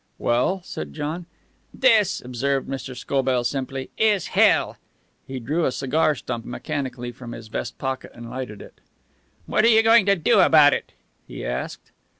"Well?" said John. "This," observed Mr. Scobell simply, "is hell." He drew a cigar stump mechanically from his vest pocket and lighted it. "What are you going to do about it?" he asked.